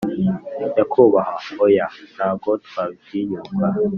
nyakubahwa oya ntago twabitinyuka